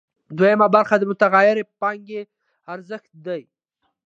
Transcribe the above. دویمه برخه د متغیرې پانګې ارزښت دی